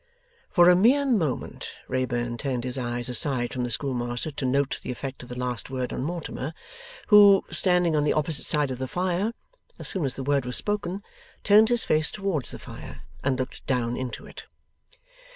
For a mere moment, Wrayburn turned his eyes aside from the schoolmaster to note the effect of the last word on Mortimer, who, standing on the opposite side of the fire, as soon as the word was spoken, turned his face towards the fire and looked down into it.